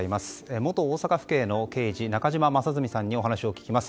元大阪府警の刑事中島正純さんにお話を聞きます。